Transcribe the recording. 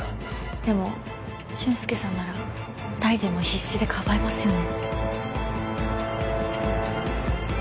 でも俊介さんなら大臣も必死でかばいますよね。